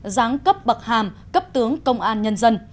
giáng cấp bậc hàm cấp tướng công an nhân dân